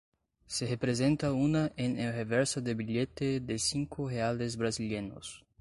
Se representa una en el reverso del billete de cinco reales brasileños.